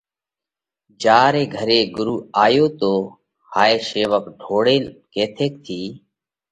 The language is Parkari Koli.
جيا ري گھري ڳرُو آيو تو هائي شيوَڪ ڍوڙينَ ڪٿئيڪ ٿِي